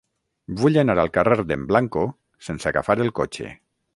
Vull anar al carrer d'en Blanco sense agafar el cotxe.